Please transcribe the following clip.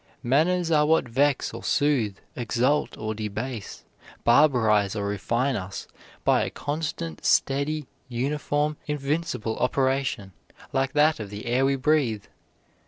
Manners are what vex or soothe, exalt or debase, barbarize or refine us by a constant, steady, uniform, invincible operation like that of the air we breathe.